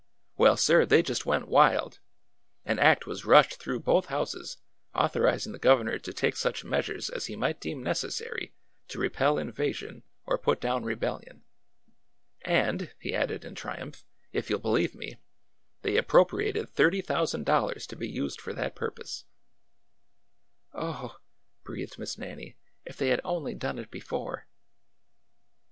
Well, sir, they just went wild ! An act was rushed through both houses authorizing the governor to take such measures as he might deem necessary to repel invasion or put down re bellion. And,"— he added in triumph,— if you 'll believe me, they appropriated thirty thousand dollars to be used for that purpose !"'' Oh h !" breathed Miss Nannie, '' if they had only done it before